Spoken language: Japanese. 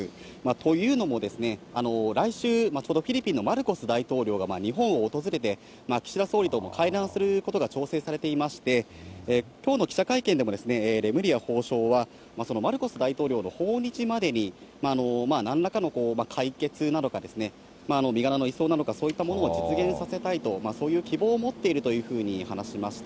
というのも、来週、ちょうどフィリピンのマルコス大統領が日本を訪れて、岸田総理とも会談することが調整されていまして、きょうの記者会見でも、レムリヤ法相はそのマルコス大統領の訪日までになんらかの解決なのか、身柄の移送なのか、そういったものを実現させたいと、そういう希望を持っているというふうに話しました。